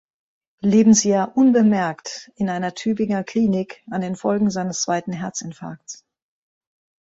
Lebensjahr unbemerkt in einer Tübinger Klinik an den Folgen seines zweiten Herzinfarkts.